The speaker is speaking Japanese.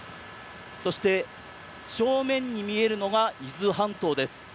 そして、正面に見えるのが伊豆半島です。